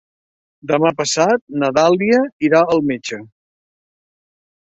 Demà passat na Dàlia irà al metge.